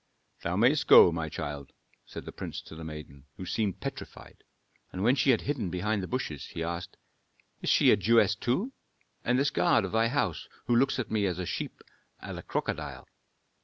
"Thou mayst go, my child," said the prince to the maiden, who seemed petrified, and when she had hidden behind the bushes, he asked, "Is she a Jewess too? And this guard of thy house, who looks at me as a sheep at a crocodile?"